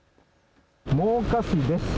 真岡市です。